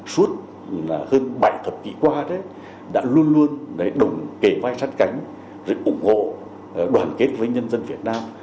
suốt hơn bảy thập kỷ qua đã luôn luôn đồng kể vai sát cánh ủng hộ đoàn kết với nhân dân việt nam